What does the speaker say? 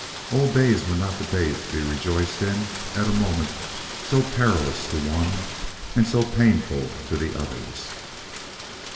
Old days were not the days to be rejoiced in at a moment so perilous to the one and so painful to the others.